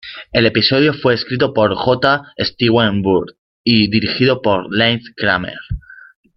El episodio fue escrito por J. Stewart Burns y dirigido por Lance Kramer.